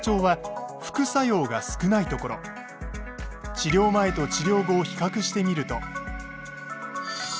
治療前と治療後を比較してみると。